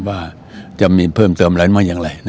ว่าจะมีเพิ่มเติมร้านมาอย่างไรนะครับ